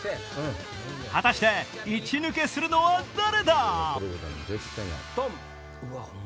果たしてイチ抜けするのは誰だ？トン！